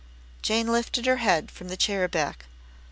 Jane lifted her head from the chair back.